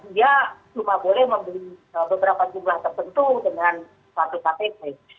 dia cuma boleh membeli beberapa jumlah tertentu dengan satu ktp